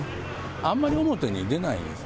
あんまり表に出ないんです。